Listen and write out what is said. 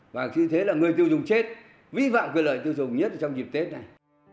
và chứ thế là người tiêu dùng chết vĩ vọng quyền lợi tiêu dùng nhất trong dịp tết này